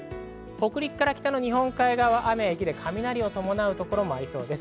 北陸から北の日本海側は雨や雪で雷を伴うところもありそうです。